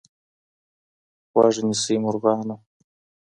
غوږ نیسۍ مرغانو